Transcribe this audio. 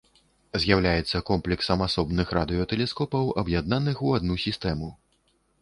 З'яўляецца комплексам асобных радыётэлескопаў аб'яднаных у адну сістэму.